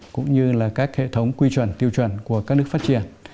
cũng như là các hệ thống quy chuẩn tiêu chuẩn của các nước phát triển